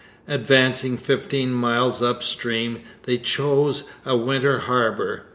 Advancing fifteen miles up stream, they chose a winter harbour.